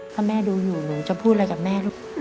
ถ้าแม่ดูอยู่หนูจะพูดอะไรกับแม่ลูก